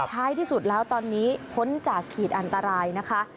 ท้ายที่สุดแล้วตอนนี้พ้นจากขีดอันตรายนะคะ